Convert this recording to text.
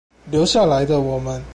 留下來的我們